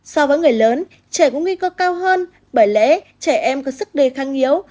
so với người lớn trẻ cũng nguy cơ cao hơn bởi lẽ trẻ em có sức gây khăng yếu